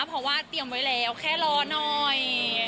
เพราะว่าเตรียมไว้แล้วแค่รอหน่อย